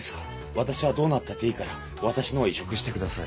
私はどうなったっていいから私のを移植してください。